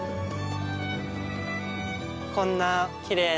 こんなきれいなね